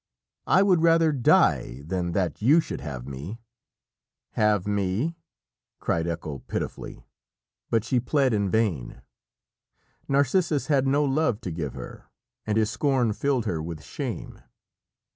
_ I would rather die than that you should have me!" "Have me!" cried Echo pitifully, but she pled in vain. Narcissus had no love to give her, and his scorn filled her with shame.